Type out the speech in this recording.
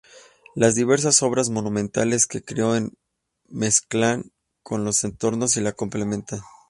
Las diversas obras monumentales que creó se mezclan con su entorno y lo complementan.